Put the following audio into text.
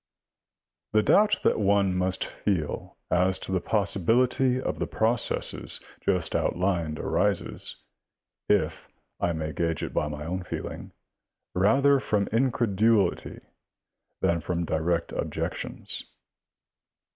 The doubt that one must feel as to the possibility of the pro cesses just outlined arises, if I may gauge it by my own feeling, rather from incredulity than from direct objections.